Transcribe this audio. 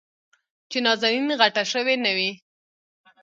چې نازنين غټه شوې نه وي.